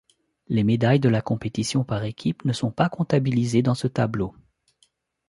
Les médailles de la compétition par équipes ne sont pas comptabilisées dans ce tableau.